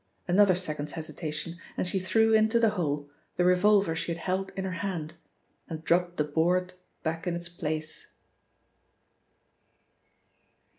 Another second's hesitation, and she threw into the hole the revolver she had held in her hand, and dropped the board back in its place.